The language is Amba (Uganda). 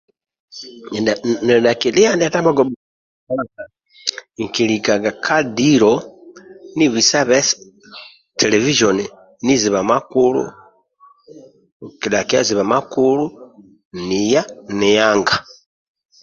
Ninidhaki liya ndya tama bugo bugo nkilikaga ka dilo nibhisabhe televizon nizibha makulu dumbi nihanga